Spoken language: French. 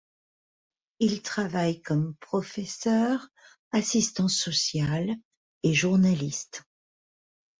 Il travaille comme professeur, assistant social et journaliste.